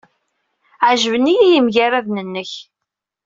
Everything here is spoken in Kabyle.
Ɛejben-iyi yimagraden-nnek.